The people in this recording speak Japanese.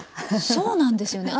そうなんですよね